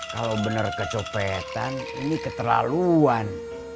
kalau benar kecopetan ini keterlaluan